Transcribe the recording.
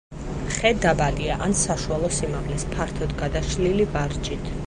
ხე დაბალია ან საშუალო სიმაღლის, ფართოდ გადაშლილი ვარჯით.